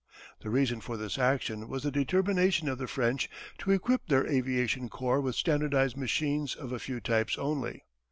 The reason for this action was the determination of the French to equip their aviation corps with standardized machines of a few types only.